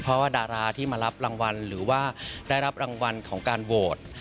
เพราะว่าดาราที่มารับรางวัลหรือว่าได้รับรางวัลของการโหวต